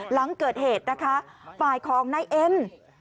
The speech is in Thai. หลังเกิดเหตุนะคะฝ่ายของนายเอ็ม